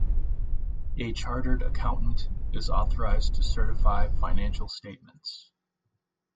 A chartered accountant is authorised to certify financial statements